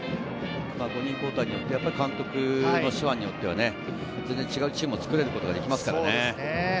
５人交代によって監督の手腕によっては全然違うチームを作ることができますからね。